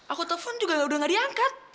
aku telpon juga udah gak diangkat